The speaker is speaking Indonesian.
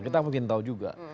kita mungkin tahu juga